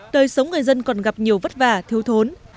đời sống người dân còn gặp nhiều vất vả thiếu thốn